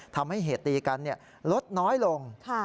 ทำให้เหตุตีกันลดน้อยลง